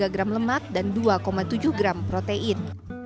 tiga gram lemak dan dua tujuh gram protein